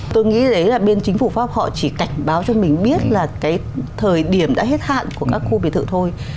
tôi nghĩ đấy là bên chính phủ pháp họ chỉ cảnh báo cho mình biết là cái thời điểm đã hết hạn của các khu biệt thự thôi